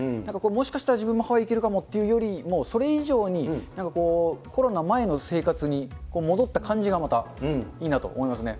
もしかしたら自分もハワイ行けるかもっていうよりも、それ以上にコロナ前の生活に戻った感じがまたいいなと思いますね。